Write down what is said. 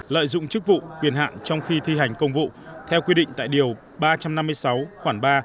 lợi dụng chức vụ quyền hạn trong khi thi hành công vụ theo quy định tại điều ba trăm năm mươi sáu khoảng ba